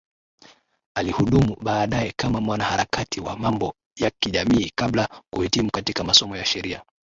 Alihudumu baadae kama mwanaharakati wa mambo ya kijamii kabla kuhitimu katika masomo ya sheria